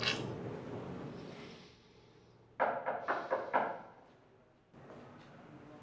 selamat pagi pak